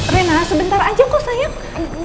rena sebentar aja kok sayap